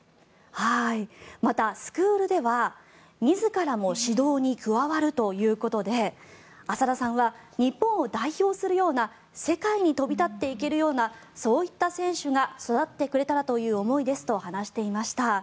また、スクールでは自らも指導に加わるということで浅田さんは日本を代表するような世界に飛び立っていけるようなそういった選手が育ってくれたらという思いですと話していました。